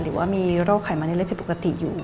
หรือว่ามีโรคไขมันในเลือดผิดปกติอยู่